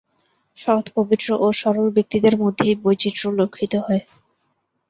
সৎ, পবিত্র ও সরল ব্যক্তিদের মধ্যেই বৈচিত্র্য লক্ষিত হয়।